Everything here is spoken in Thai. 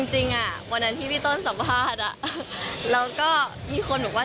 จริงวันนั้นที่พี่ต้นสัมภาษณ์แล้วก็มีคนบอกว่า